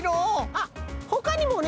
あっほかにもね